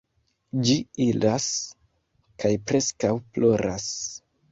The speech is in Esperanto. Ĝi iras kaj preskaŭ ploras.